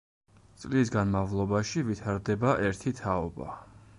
წლის განმავლობაში ვითარდება ერთი თაობა.